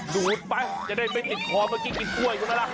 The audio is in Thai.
ดูดไปจะได้ไม่กินคอเมื่อกี้กินค้วยคุณนักรัก